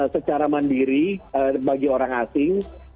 secara mandiri bagi orang asing